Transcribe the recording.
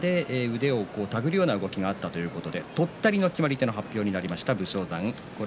腕を手繰るような動きがあったということでとったりという発表になりました。